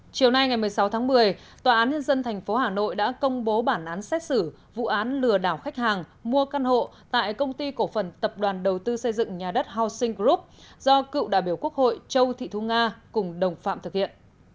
chiều nay ngày một mươi sáu tháng một mươi tòa án nhân dân tp hà nội đã công bố bản án xét xử vụ án lừa đảo khách hàng mua căn hộ tại công ty cổ phần tập đoàn đầu tư xây dựng nhà đất housing group do cựu đại biểu quốc hội châu thị thu nga cùng đồng phạm thực hiện